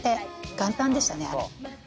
元旦でしたね、あれ。